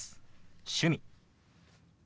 「趣味」。